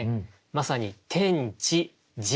まさに天地人。